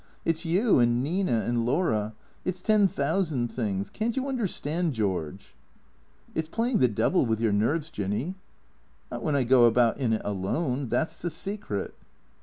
It's you and Nina and Laura. It's ten thousand things. Can't you understand, George ?"" It 's playing the devil with your nerves, Jinny." " Not when I go about in it alone. That 's the secret."